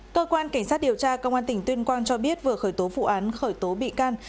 cơ quan cảnh sát điều tra công an tỉnh tuyên quang cho biết vừa khởi tố vụ án khởi tố bị can